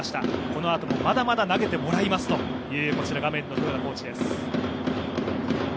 このあともまだまだ投げてもらいますという豊田コーチです。